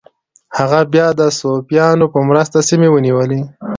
هغه بیا د صفویانو په مرسته سیمې ونیولې.